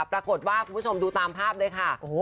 ปรากฏว่าคุณผู้ชมดูตามภาพเลยค่ะ